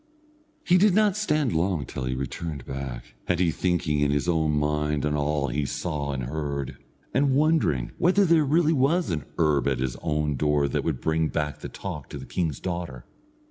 He did not stand long till he returned back, and he thinking in his own mind on all he saw and heard, and wondering whether there was really an herb at his own door that would bring back the talk to the king's daughter.